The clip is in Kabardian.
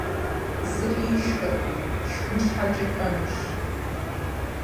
Зыри ишхыркъым, шхын щхьэкӀэ лӀэнущ.